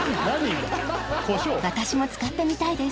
私も使ってみたいです。